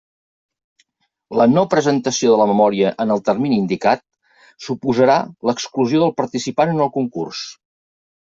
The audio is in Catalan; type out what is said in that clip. La no presentació de la memòria en el termini indicat, suposarà l'exclusió del participant en el concurs.